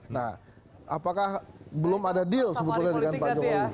nah apakah belum ada deal sebetulnya dengan pak jokowi